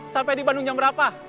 sampai di bandung jam berapa